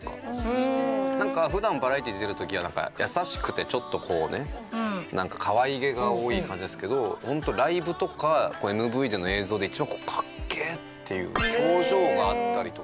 なんか普段バラエティー出てる時はなんか優しくてちょっとこうねなんかかわいげが多い感じですけどホントライブとかＭＶでの映像で一番かっけえ！っていう表情があったりとか。